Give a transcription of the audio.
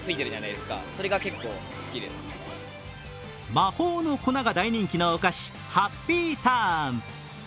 魔法の粉が大人気のお菓子、ハッピーターン。